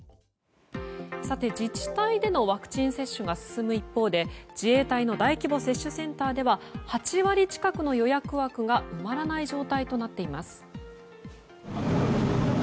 自治体でのワクチン接種が進む一方で自衛隊の大規模接種センターでは８割近くの予約枠が埋まらない状態となっています。